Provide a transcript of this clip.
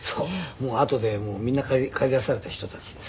もうあとでみんな駆り出された人たちですよ。